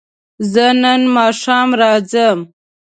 زه نن ماښام راځم